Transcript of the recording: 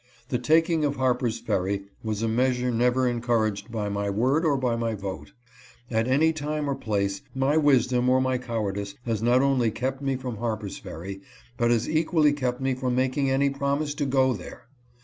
The taking of Harper's Ferry was a measure never encouraged by my word or by my vote. At any time or place, my wisdom or my cowardice has not only kept me from Harper's Ferry, but has equally kept me from making any promise to go there.